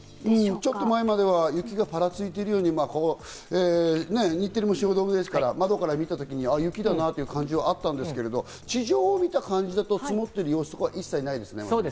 ちょっと前までは雪がパラついてるように、日テレも汐留ですから、窓から見たとき、雪だなという感じはあったんですけど、地上を見た感じだと、積もってる様子は一切ないですね。